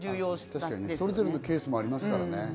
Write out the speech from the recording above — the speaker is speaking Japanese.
確かにそれぞれのケースもありますからね。